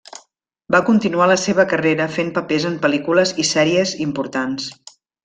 Va continuar la seva carrera fent papers en pel·lícules i sèries importants.